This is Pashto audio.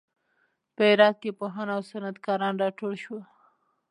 په هرات کې پوهان او صنعت کاران راټول شول.